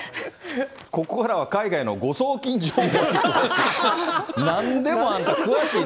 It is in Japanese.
ここからは海外の誤送金事情に詳しい。